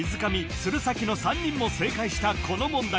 鶴崎の３人も正解したこの問題